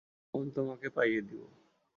Loan তোমাকে পাইয়ে দিবো।